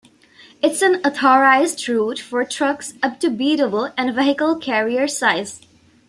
It is an authorised route for trucks up to B-double and vehicle carrier size.